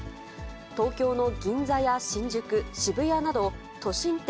東京の銀座や新宿、渋谷など、都心店